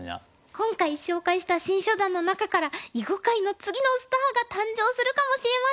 今回紹介した新初段の中から囲碁界の次のスターが誕生するかもしれません！